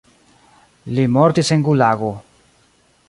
Li mortis en gulago.